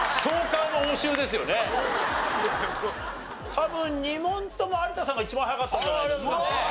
多分２問とも有田さんが一番早かったんじゃないですかね。